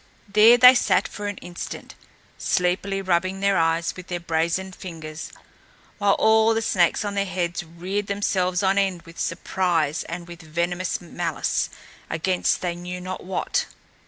There they sat for an instant, sleepily rubbing their eyes with their brazen fingers, while all the snakes on their heads reared themselves on end with surprise and with venomous malice against they knew not what.